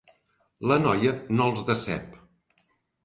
La noia no els decep.